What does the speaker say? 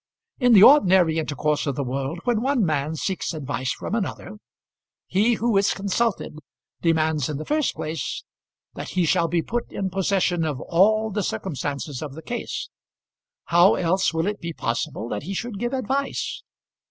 In the ordinary intercourse of the world when one man seeks advice from another, he who is consulted demands in the first place that he shall be put in possession of all the circumstances of the case. How else will it be possible that he should give advice?